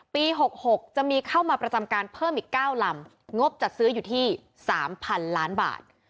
ปี๖๖จะมีเข้ามาประจำการเพิ่มอีก๙ลำงบจัดซื้ออยู่ที่๓๐๐๐ล้านบาท